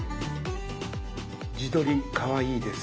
「自撮りかわいいです！」